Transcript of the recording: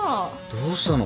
どうしたの？